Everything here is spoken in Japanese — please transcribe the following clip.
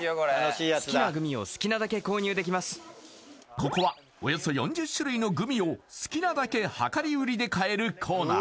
ここはおよそ４０種類のグミを好きなだけ量り売りで買えるコーナー